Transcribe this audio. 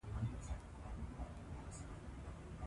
دا زموږ کور دی.